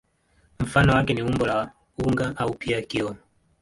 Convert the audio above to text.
Mfano wake ni umbo la unga au pia kioo.